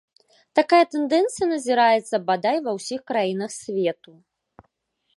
Такая тэндэнцыя назіраецца бадай ва ўсіх краінах свету.